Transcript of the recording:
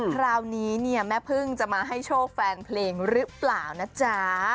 คราวนี้เนี่ยแม่พึ่งจะมาให้โชคแฟนเพลงหรือเปล่านะจ๊ะ